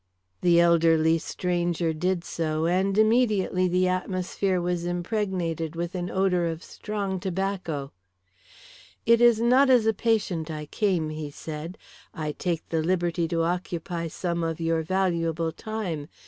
The elderly stranger did so, and immediately the atmosphere was impregnated with an odour of strong tobacco. "It is not as a patient I came," he said. "I take the liberty to occupy some of your valuable time.